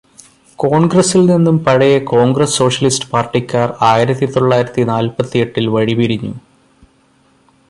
കോണ്ഗ്രസില് നിന്നും പഴയ കോണ്ഗ്രസ്സ് സോഷ്യലിസ്റ്റ് പാര്ടിക്കാര് ആയിരത്തി തൊള്ളായിരത്തി നാല്പത്തിയെട്ടിൽ വഴി പിരിഞ്ഞു.